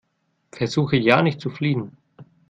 Versuche ja nicht zu fliehen!